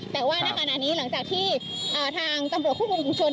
แต่ว่านานนี้หลังจากที่ทางตำรวจคู่มุมคุมชน